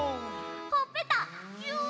ほっぺたぎゅう！